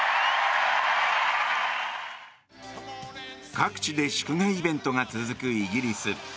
各地で祝賀イベントが続くイギリス。